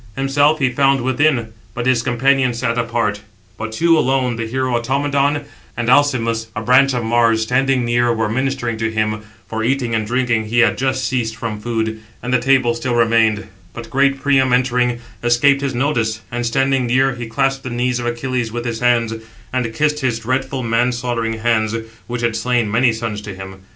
Himself he found within; but his companions sat apart; but two alone, the hero Automedon, and Alcimus, a branch of Mars, standing near, were ministering to him (for, eating and drinking, he had just ceased from food, and the table still remained); but great Priam, entering, escaped his notice, and, standing near, he clasped the knees of Achilles with his hands, and kissed his dreadful man slaughtering hands, which had slain many sons to him.